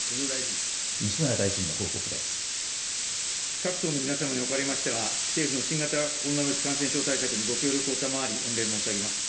各党の皆さんにおかれましては、政府の新型コロナウイルス感染症対策にご協力を賜り、御礼申し上げます。